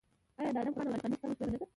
آیا د ادم خان او درخانۍ کیسه مشهوره نه ده؟